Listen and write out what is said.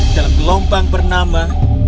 dalam gelombang bernama